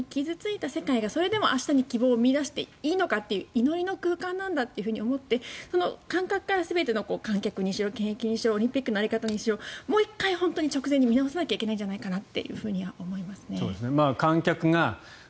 コロナに傷付いた世界がそれでも明日に希望を見いだしていいのかという祈りの空間なんだと思ってその感覚から全ての観客にしろ検疫にしろオリンピックの在り方にしろもう１回直前に見直さなきゃいけないんじゃないかと思いますね。